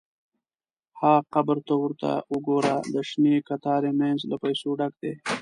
– ها قبر! ته ورته وګوره، د شنې کتارې مینځ له پیسو ډک دی.